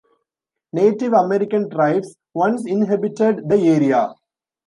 Native American tribes once inhabited the area.